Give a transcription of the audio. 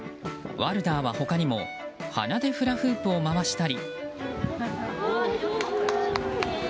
ワルダーは他にも鼻でフラフープを回したり。